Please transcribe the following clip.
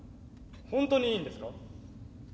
本当にいいんですか？